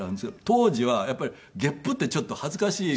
当時はやっぱり月賦ってちょっと恥ずかしい。